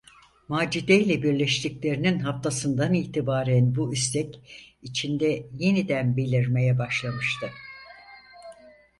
Macide’yle birleştiklerinin haftasından itibaren bu istek, içinde yeniden belirmeye başlamıştı.